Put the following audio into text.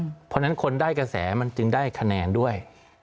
เพราะฉะนั้นคนได้กระแสมันจึงได้คะแนนด้วย